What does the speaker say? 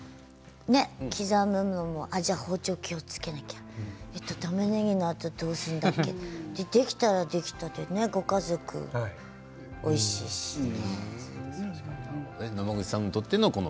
刻むのも包丁、気をつけなきゃえーと、たまねぎやったらどうするんだっけできたらできたでご家族がおいしいしね。